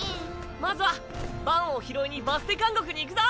まずはバンを拾いにバステ監獄に行くぞ。